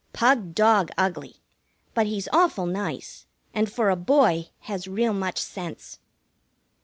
Pug dog ugly; but he's awful nice, and for a boy has real much sense.